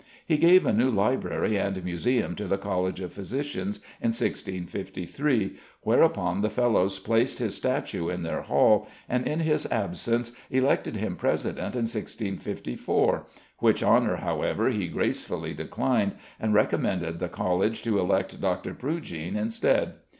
He gave a new library and museum to the College of Physicians in 1653, whereupon the Fellows placed his statue in their hall, and, in his absence, elected him president in 1654, which honour, however, he gracefully declined, and recommended the College to elect Dr. Prujean instead.